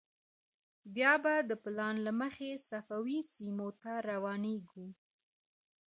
بیا به د پلان له مخې صفوي سیمې ته روانېږو.